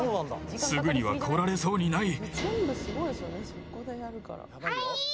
すぐには来られそうにない。